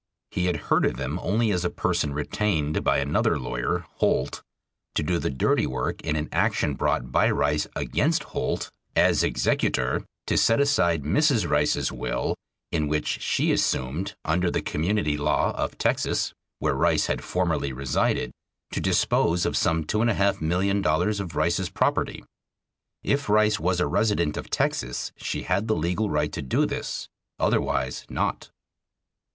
He had heard of him only as a person retained by another lawyer (Holt) to do "the dirty work" in an action brought by Rice against Holt, as executor, to set aside Mrs. Rice's will, in which she assumed, under the "Community Law" of Texas, where Rice had formerly resided, to dispose of some $2,500,000 of Rice's property. If Rice was a resident of Texas she had the legal right to do this, otherwise not.